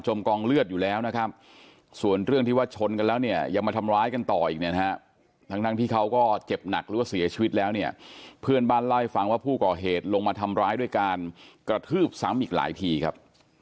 ชนกันแล้วเนี่ยยังมาทำร้ายกันต่ออีกเนี่ยนะฮะทั้งที่เขาก็เจ็บหนักหรือเสียชีวิตแล้วเนี่ยเพื่อนบ้านไล่ฟังว่าผู้ก่อเหตุลงมาทำร้ายด้วยการกระทืบสามอีกหลายทีครับ